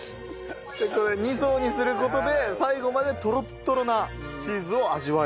これ２層にする事で最後までトロットロなチーズを味わえる。